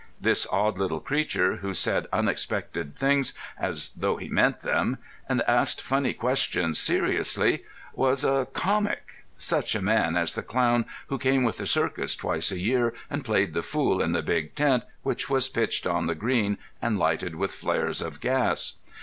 This odd little creature, who said unexpected things as though he meant them, and asked funny questions seriously, was "a comic"—such a man as the clown who came with the circus twice a year, and played the fool in the big tent which was pitched on the green and lighted with flares of gas.